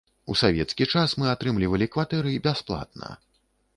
У савецкі час мы атрымлівалі кватэры бясплатна.